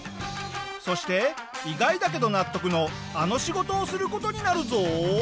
そして意外だけど納得のあの仕事をする事になるぞ！